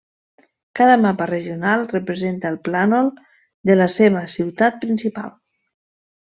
Cada mapa regional representa el plànol de la seva ciutat principal.